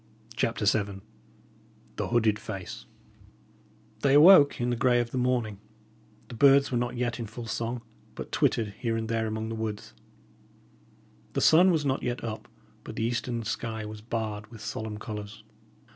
CHAPTER VII THE HOODED FACE They awoke in the grey of the morning; the birds were not yet in full song, but twittered here and there among the woods; the sun was not yet up, but the eastern sky was barred with solemn colours.